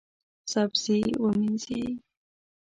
سبزي ومینځئ